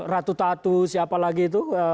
ratu tatu siapa lagi itu